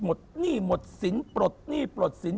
หนี้หมดสินปลดหนี้ปลดสิน